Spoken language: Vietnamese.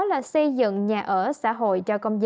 là xây dựng nhà ở xã hội